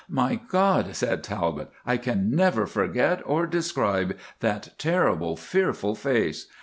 "My God," said Talbot, "I can never forget or describe that terrible, fearful face.